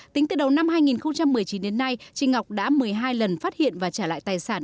tính từ đầu năm hai nghìn một mươi chín đến nay chị ngọc đã một mươi hai lần phát hiện và trả lại tài sản